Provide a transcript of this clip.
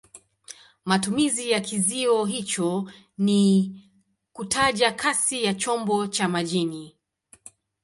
Matumizi ya kizio hicho ni kutaja kasi ya chombo cha majini.